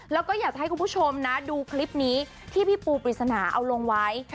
แล้วก็อยากจะให้คุณผู้ชมนะดูคลิปนี้ที่พี่ปูปริศนาเอาลงไว้